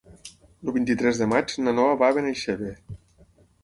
El vint-i-tres de maig na Noa va a Benaixeve.